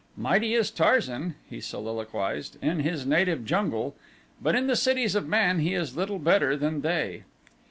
"Mighty is Tarzan," he soliloquized, "in his native jungle, but in the cities of man he is little better than they."